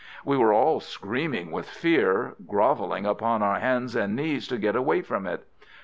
We were all screaming with fear, grovelling upon our hands and knees to get away from it.